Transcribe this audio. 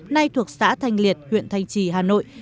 nay thuộc xã thanh liệt huyện thanh trì hà nội